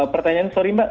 pertanyaan sorry mbak